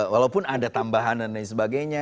walaupun ada tambahan dan lain sebagainya